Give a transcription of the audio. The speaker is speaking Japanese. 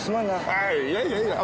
ああいやいやいや。